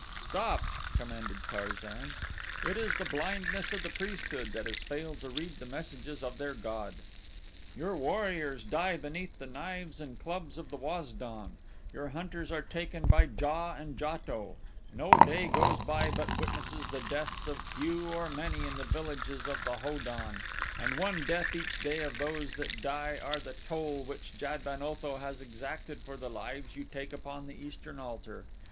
"Stop!" commanded Tarzan. "It is the blindness of the priesthood that has failed to read the messages of their god. Your warriors die beneath the knives and clubs of the Wazdon; your hunters are taken by JA and JATO; no day goes by but witnesses the deaths of few or many in the villages of the Ho don, and one death each day of those that die are the toll which Jad ben Otho has exacted for the lives you take upon the eastern altar.